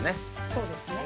そうですね。